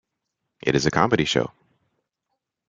It is a comedy show.